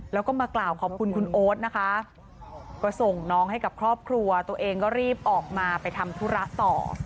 แล้วก็มากล่าวขอบคุณคุณโอ๊ตนะคะก็ส่งน้องให้กับครอบครัวตัวเองก็รีบออกมาไปทำธุระต่อ